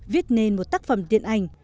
viết nên một tác phẩm tiện ảnh